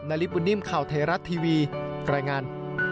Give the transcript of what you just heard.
นลิปุณิมข่าวไทยรัฐทีวีรายงาน